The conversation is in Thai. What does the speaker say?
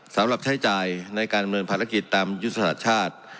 สำหรับใช้จ่ายในการดำเนินภารกิจตามยุทธศาสตร์ชาติ